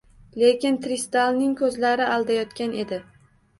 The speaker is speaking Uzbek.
Lekin Trisdalning ko`zlari aldayotgan edi